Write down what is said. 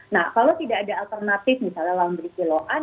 nah kalau tidak ada alternatif misalnya lawan berisi lawan